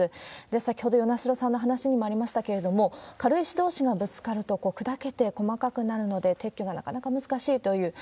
先ほど与那城さんの話にもありましたけれども、軽石どうしがぶつかると砕けて細かくなるので、撤去がなかなか難しいという。